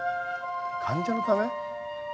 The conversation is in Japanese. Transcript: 患者のため？